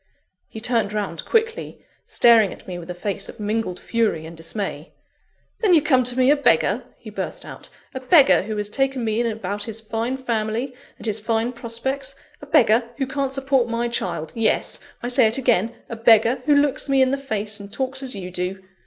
He turned round quickly, staring at me with a face of mingled fury and dismay. "Then you come to me a beggar!" he burst out; "a beggar who has taken me in about his fine family, and his fine prospects; a beggar who can't support my child Yes! I say it again, a beggar who looks me in the face, and talks as you do.